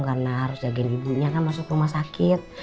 karena harus jagain ibunya kan masuk rumah sakit